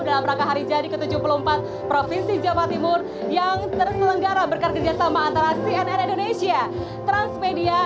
dalam rangka hari jadi ke tujuh puluh empat provinsi jawa timur yang terselenggara bekerjasama antara cnn indonesia transmedia